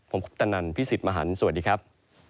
ผมคุณตานันท์พี่สิตมาหันสวัสดีครับ